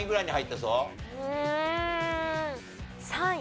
３位。